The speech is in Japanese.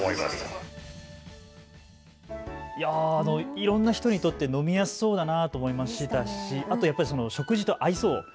いろんな人にとって飲みやすそうだなと思いましたし食事と合いそう。